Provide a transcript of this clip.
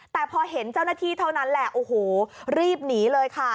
แต่พอเห็นเจ้าหน้าที่เท่านั้นแหละโอ้โหรีบหนีเลยค่ะ